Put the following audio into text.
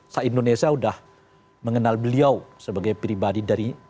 saat indonesia udah mengenal beliau sebagai pribadi dari